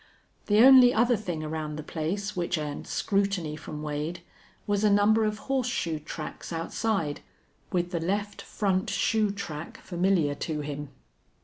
The only other thing around the place which earned scrutiny from Wade was a number of horseshoe tracks outside, with the left front shoe track familiar to him.